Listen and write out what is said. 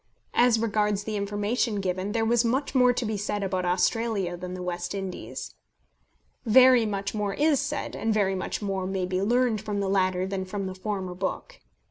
As regards the information given, there was much more to be said about Australia than the West Indies. Very much more is said, and very much more may be learned from the latter than from the former book.